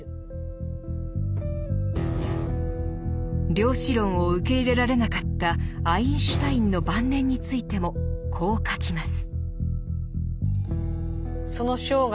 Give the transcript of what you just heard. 量子論を受け入れられなかったアインシュタインの晩年についてもこう書きます。